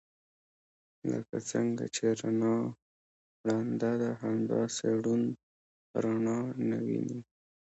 لکه څنګه چې رڼا ړنده ده همداسې ړوند رڼا نه ويني.